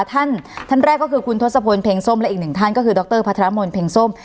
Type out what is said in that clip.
ท่านท่านแรกก็คือคุณทศพลเพ็งส้มและอีกหนึ่งท่านก็คือดรพัทรมนต์เพลงส้ม